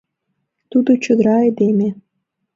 Тудо чодыра айдеме...